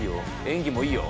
演技もいいよ。